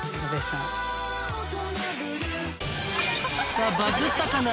さぁバズったかな？